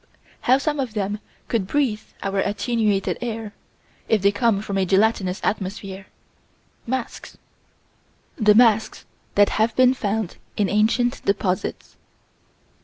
How some of them could breathe our attenuated air, if they came from a gelatinous atmosphere Masks. The masks that have been found in ancient deposits.